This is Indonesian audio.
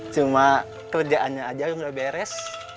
cuma kerjaannya aja udah beres